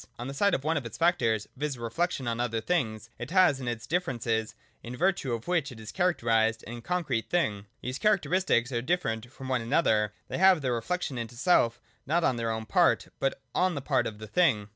On the side of one of its factors, viz. I25.J THE THING AND ITS PROPERTIES. 233 reflection on other things, it has in it the differences, in virtue of which it is a cliaracterised and concrete thing. These characteristics are different from one another ; they have their reflection into self not on their ewn part, but on the part of the thing.